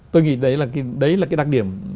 tôi nghĩ đấy là cái đặc điểm